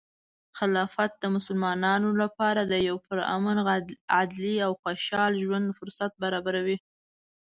خلافت د مسلمانانو لپاره د یو پرامن، عدلي، او خوشحال ژوند فرصت برابروي.